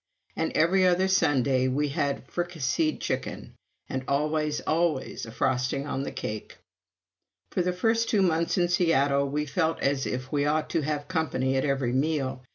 And every other Sunday we had fricasseed chicken, and always, always a frosting on the cake. For the first two months in Seattle we felt as if we ought to have company at every meal.